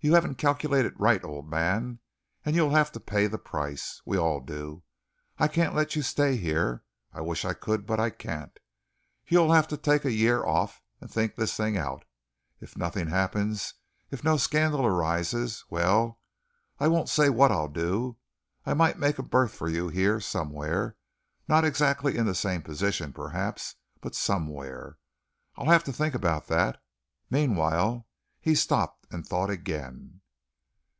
You haven't calculated right, old man, and you'll have to pay the price. We all do. I can't let you stay here. I wish I could, but I can't. You'll have to take a year off and think this thing out. If nothing happens if no scandal arises well, I won't say what I'll do. I might make a berth for you here somewhere not exactly in the same position, perhaps, but somewhere. I'll have to think about that. Meanwhile" he stopped and thought again.